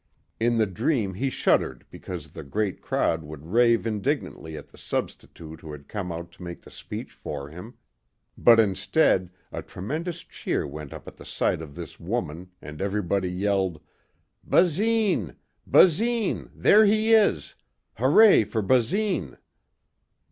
In the dream he shuddered because the great crowd would rave indignantly at the substitute who had come out to make the speech for him. But instead, a tremendous cheer went up at the sight of this woman and everybody yelled, "Basine ... Basine.... There he is. Hooray for Basine!"